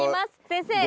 先生